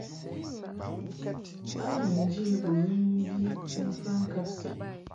A ni njě bɨwi mvi ni mfa ŋkab sɛ.